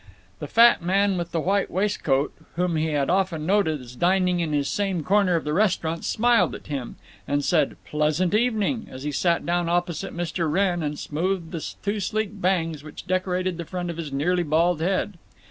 The fat man with the white waistcoat, whom he had often noted as dining in this same corner of the restaurant, smiled at him and said "Pleasant evening" as he sat down opposite Mr. Wrenn and smoothed the two sleek bangs which decorated the front of his nearly bald head.